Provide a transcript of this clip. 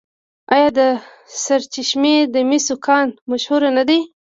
آیا د سرچشمې د مسو کان مشهور نه دی؟